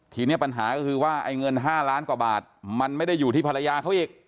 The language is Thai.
ทีนี้ปัญหาก็คือว่าไอ้เงิน๕ล้านกว่าบาทมันไม่ได้อยู่ที่ภรรยาเขาอีก